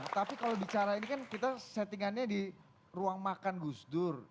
tapi kalau bicara ini kan kita settingannya di ruang makan gus dur